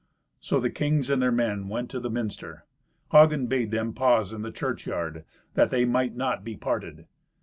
So the kings and their men went to the minster. Hagen bade them pause in the churchyard, that they might not be parted.